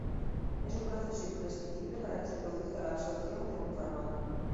Es un proceso imprescindible para que se produzca la absorción de un fármaco.